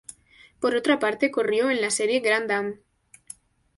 Por otra parte, corrió en la serie Grand-Am.